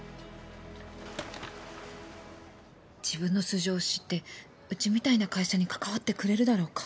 自分の素性を知ってうちみたいな会社に関わってくれるだろうか